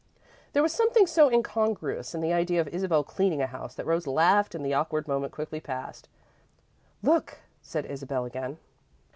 There was something so incongruous in the idea of Isabel cleaning a house that Rose laughed and the awkward moment quickly passed. "Look," said Isabel, again.